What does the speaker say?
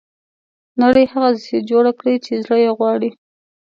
نړۍ هغسې جوړه کړي چې زړه یې غواړي.